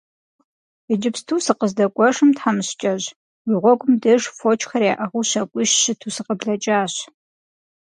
Иджыпсту сыкъыздэкӀуэжым, тхьэмыщкӀэжь, уи гъуэгум деж фочхэр яӀыгъыу щакӀуищ щыту сыкъыблэкӀащ.